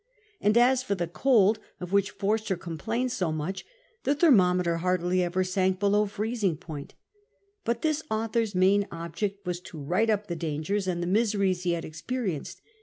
And as for the cold of which Forster com plains so much, the thermometer hardly ever sank below freezing point But this author's main object was to write up the dangers and the miseries he had experi enced.